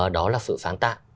đó là sự sáng tạo